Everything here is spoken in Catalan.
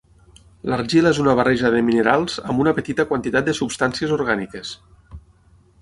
L'argila és una barreja de minerals amb una petita quantitat de substàncies orgàniques.